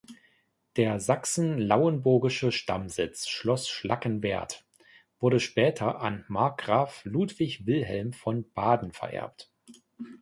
Der sachsen-lauenburgische Stammsitz Schloss Schlackenwerth wurde später an Markgraf Ludwig Wilhelm von Baden vererbt.